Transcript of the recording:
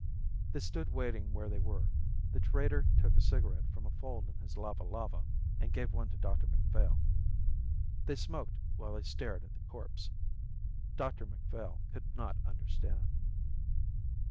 They stood waiting where they were. The trader took a cigarette from a fold in his lava lava and gave one to Dr Macphail. They smoked while they stared at the corpse. Dr Macphail could not understand.